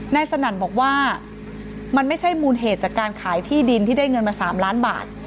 สนั่นบอกว่ามันไม่ใช่มูลเหตุจากการขายที่ดินที่ได้เงินมา๓ล้านบาท